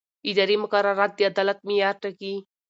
اداري مقررات د عدالت معیار ټاکي.